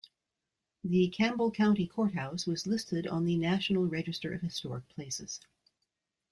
The Campbell County Courthouse was listed on the National Register of Historic Places.